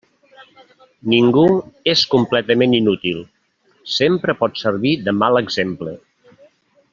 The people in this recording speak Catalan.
Ningú és completament inútil; sempre pot servir de mal exemple.